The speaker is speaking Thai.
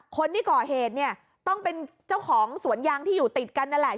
คนที่ก่อเหตุเนี่ยต้องเป็นเจ้าของสวนยางที่อยู่ติดกันนั่นแหละ